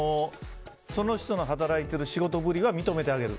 その人の働いてる仕事ぶりは認めてあげる。